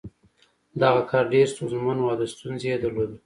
دغه کار ډېر ستونزمن و او ستونزې یې درلودې